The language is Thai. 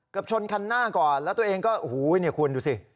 ชนคันหน้าก่อนแล้วตัวเองก็โอ้โหเนี่ยคุณดูสิ